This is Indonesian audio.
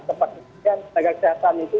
tempat kejadian tenaga kesehatan itu